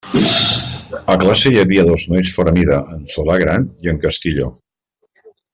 A classe hi havia dos nois fora mida: en Solà gran i en Castillo.